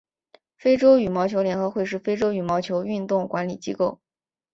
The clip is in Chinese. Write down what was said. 非洲羽毛球联合会是非洲羽毛球运动管理机构。